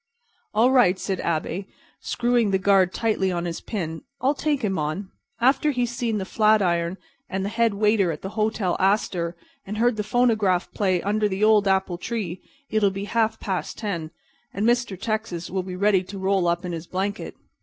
"All right," said Abey, screwing the guard tightly on his pin. "I'll take him on. After he's seen the Flatiron and the head waiter at the Hotel Astor and heard the phonograph play 'Under the Old Apple Tree' it'll be half past ten, and Mr. Texas will be ready to roll up in his blanket.